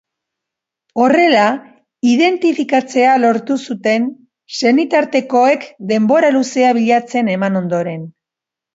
Horrela, identifikatzea lortu zuten, senitartekoek denbora luzea bilatzen eman ondoren.